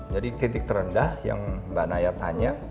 jadi titik terendah yang mbak naya tanya